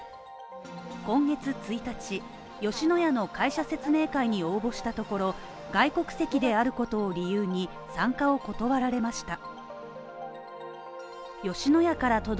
今月１日、吉野家の会社説明会に応募したところ外国籍であることを理由に参加を断られました。